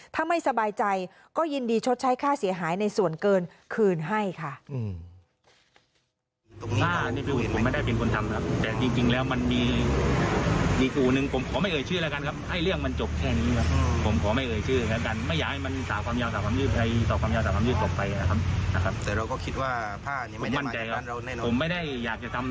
ถ้าไม่สบายใจก็ยินดีชดใช้ค่าเสียหายในส่วนเกินคืนให้ค่ะ